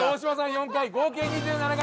４回合計２７回。